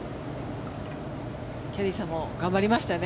キャディーさんも頑張りましたね。